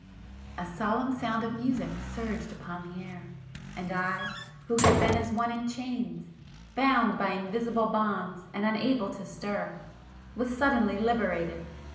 [p 473]A solemn sound of music surged upon the air,—and I who had been as one in chains, bound by invisible bonds and unable to stir, was suddenly liberated.